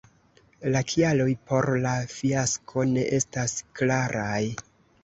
La kialoj por la fiasko ne estas klaraj.